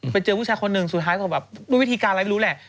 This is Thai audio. ไปเจอผู้ชายคนหนึ่งสุดท้ายก็แบบด้วยวิธีการอะไรไม่รู้แหละ